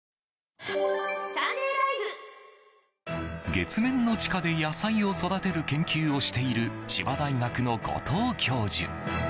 月面の地下で野菜を育てる研究をしている千葉大学の後藤教授。